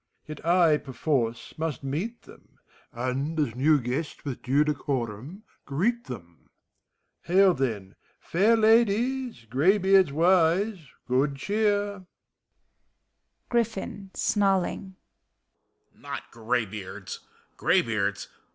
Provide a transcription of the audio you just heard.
Yet I, perforce, must meet them. And as new guest with due decorum greet them. — Hail, then. Fair Ladies! Graybeards wise, good cheer. GBIFFIK {snarling). Not graybeards! Graybeards?